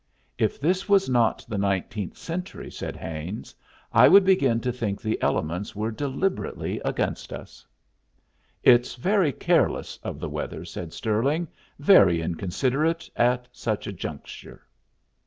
"If this was not the nineteenth century," said Haines, "I should begin to think the elements were deliberately against us." "It's very careless of the weather," said Stirling. "Very inconsiderate, at such a juncture."